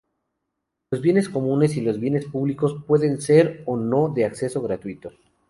Los bienes comunes y los bienes públicos pueden ser o no de acceso gratuito.